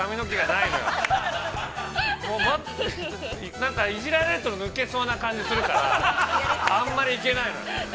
なんかいじられると抜けそうな感じがするから、あんまり行けないのよ。